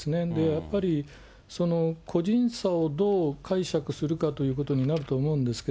やっぱり個人差をどう解釈するかということになると思うんですけ